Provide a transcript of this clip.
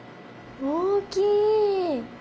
大きい！